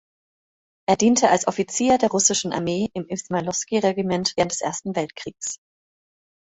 Er diente als Offizier der russischen Armee im Ismailowsky-Regiment während des Ersten Weltkriegs.